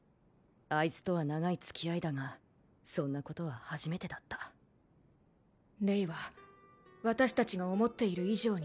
あいつとは長い付き合いだがそんなことは初めてだったレイは私達が思っている以上に